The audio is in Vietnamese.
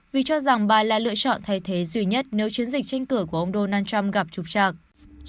vì cho rằng bà là lựa chọn thay thế duy nhất nếu chiến dịch tranh cử của ông donald trump gặp trục trạc